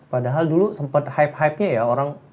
padahal dulu sempet hype hypenya ya